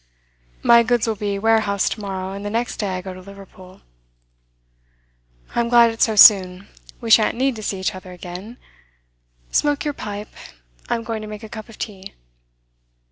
'My goods will be warehoused to morrow, and the next day I go to Liverpool.' 'I'm glad it's so soon. We shan't need to see each other again. Smoke your pipe. I'm going to make a cup of tea.